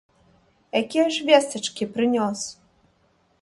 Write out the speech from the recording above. Якія ж вестачкі прынёс?